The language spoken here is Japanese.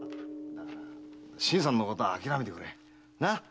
新さんのことはあきらめてくれ。な？